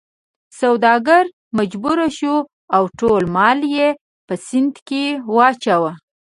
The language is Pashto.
سوداګر مجبور شو او ټول مال یې په سیند کې واچاوه.